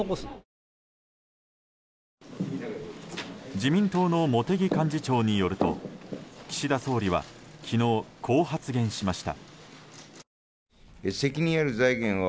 自民党の茂木幹事長によると岸田総理は昨日、こう発言しました。